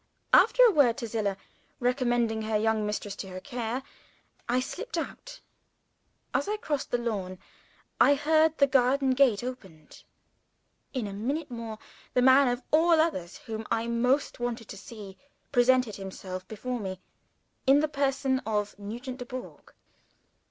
After a word to Zillah, recommending her young mistress to her care, I slipped out. As I crossed the lawn, I heard the garden gate opened. In a minute more, the man of all others whom I most wanted to see, presented himself before me, in the person of Nugent Dubourg.